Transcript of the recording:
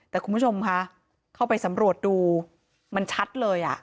แต่คุณผู้ชมค่ะเข้าไปสำรวจดูมันชัดเลย